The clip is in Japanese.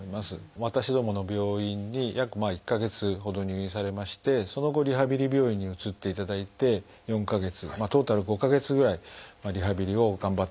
私どもの病院に約１か月ほど入院されましてその後リハビリ病院に移っていただいて４か月トータル５か月ぐらいリハビリを頑張っていただきました。